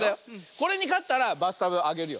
これにかったらバスタブあげるよ。